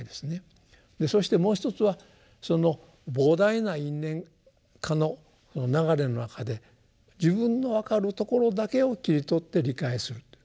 そしてもう一つはその膨大な「因・縁・果」の流れの中で自分の分かるところだけを切り取って理解する。